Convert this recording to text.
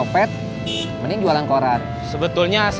ker servis ya gak apa apa